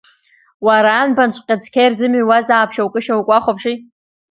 Уара, анбанҵәҟьа цқьа ирзымыҩуазаап шьоукы-шьоукы, уахәаԥши!